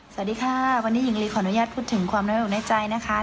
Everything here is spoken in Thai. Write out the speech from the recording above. สวัสดีค่ะวันนี้หญิงลีขออนุญาตพูดถึงความน้อยอกน้อยใจนะคะ